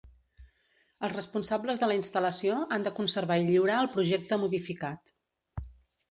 Els responsables de la instal·lació han de conservar i lliurar el projecte modificat.